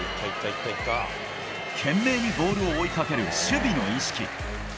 攻撃だけでなく懸命にボールを追いかける守備の意識。